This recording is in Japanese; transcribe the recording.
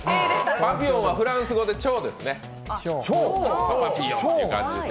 パピヨンはフランス語で蝶ですね。